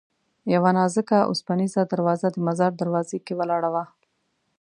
یوه نازکه اوسپنیزه دروازه د مزار دروازه کې ولاړه وه.